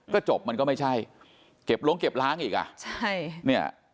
ก็จบมันก็ไม่ใช่เก็บล้งเก็บล้างอีก